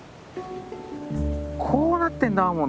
こうなってんだアーモンド。